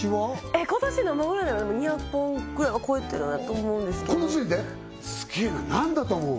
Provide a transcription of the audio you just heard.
えっ今年なんぼぐらいだろ２００本ぐらいは超えてるなと思うんですけどすげえな何だと思う？